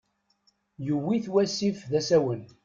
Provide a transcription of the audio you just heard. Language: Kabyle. Yewwi-t wasif d asawen.